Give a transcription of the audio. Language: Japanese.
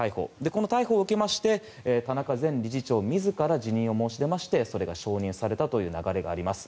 この逮捕を受けまして田中前理事長自ら辞任を申し出ましてそれが承認されたという流れがあります。